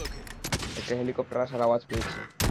একটা হেলিকপ্টার আসার আওয়াজ পেয়েছি।